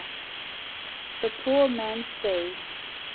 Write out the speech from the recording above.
THK POOR MAX'S DAY.